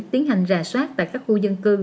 tiến hành ra soát tại các khu dân cư